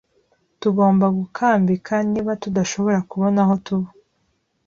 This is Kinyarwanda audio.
Tugomba gukambika niba tudashobora kubona aho tuba